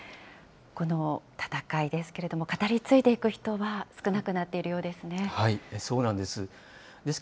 この戦いですけれども、語り継いでいく人は少なくなっているようそうなんです。